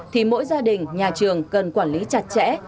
thì mỗi gia đình nhà trường cần quản lý chặt chẽ